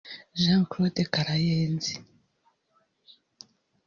Jean Claude Karayenzi